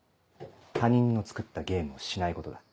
他人の作ったゲームをしないことだ。